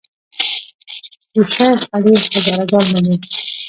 د شیخ علي هزاره ګان لري